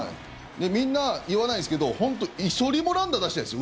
みんな言わないんですけど１人もランナー出してないです。